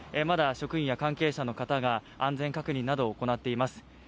まだ職員や関係者の方が安全確認などを行っています。